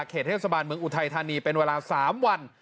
เหตุเทศบาลเมืองอุทัยธานีเป็นเวลา๓วัน